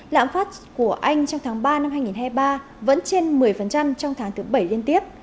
lạm phát của anh trong tháng ba năm hai nghìn hai mươi ba vẫn trên một mươi trong tháng thứ bảy liên tiếp